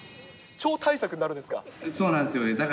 超大作になるんですか？